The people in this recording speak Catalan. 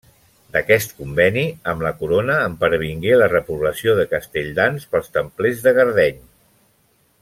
D'aquest conveni amb la corona en pervingué la repoblació de Castelldans pels Templers de Gardeny.